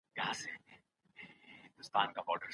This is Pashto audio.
ماشوم کولای سي پوښتني وکړي.